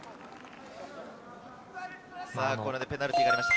これでペナルティーがありました。